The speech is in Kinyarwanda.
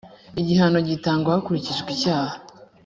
igihano gitangwa hakurikijwe icyaha.